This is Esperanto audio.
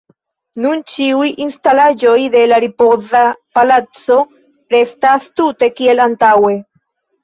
Nun ĉiuj instalaĵoj de la Ripoza Palaco restas tute kiel antaŭe.